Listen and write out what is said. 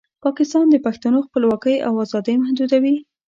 پاکستان د پښتنو خپلواکۍ او ازادۍ محدودوي.